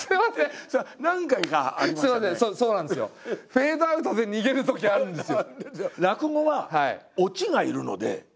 フェードアウトで逃げるときあるんですよ。